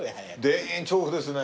田園調布ですね。